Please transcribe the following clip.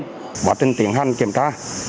trong quá trình tiến hành kiểm tra